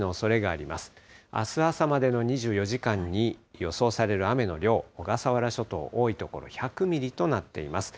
あす朝までの２４時間に予想される雨の量、小笠原諸島、多い所１００ミリとなっています。